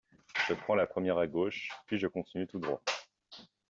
Je prends la première à gauche, puis je continue tout droit.